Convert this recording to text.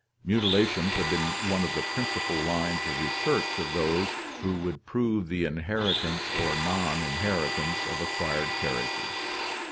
Mutilations have been one of the principal lines of research of those who would prove the inheritanceor non inheritanceof acquired characters.